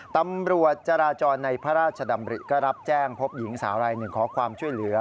ตำรวจจราจรในพระราชดำริก็รับแจ้งพบหญิงสาวรายหนึ่งขอความช่วยเหลือ